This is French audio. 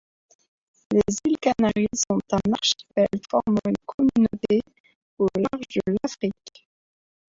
Les îles Canaries sont un archipel formant une communauté au large de l'Afrique.